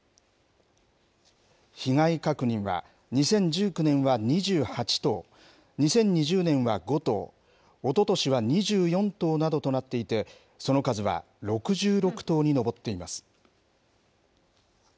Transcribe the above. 被害確認は、２０１９年は２８頭、２０２０年は５頭、おととしは２４頭などとなっていて、その数は６６頭に上っています。